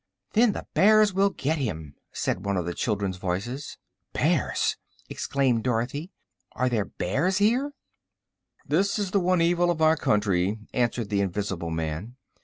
"Then the bears will get him," said one of the children's voices. "Bears!" exclaimed Dorothy. "Are these bears here?" "That is the one evil of our country," answered the invisible man.